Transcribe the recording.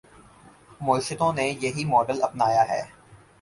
معیشتوں نے یہی ماڈل اپنایا ہے۔